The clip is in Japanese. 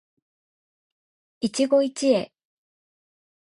一期一会